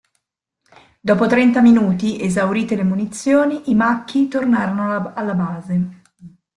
Dopo trenta minuti, esaurite le munizioni, i Macchi tornarono alla base.